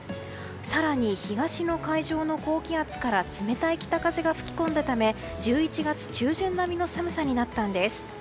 更に東の海上の高気圧から冷たい北風が吹き込んだため１１月中旬並みの寒さになったんです。